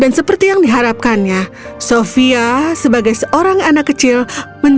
dan seperti yang diharapkannya sofia sebagai seorang anak kecil menjauh dari kota zaran